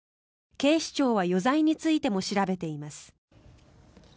警視庁は、余罪についても調べています。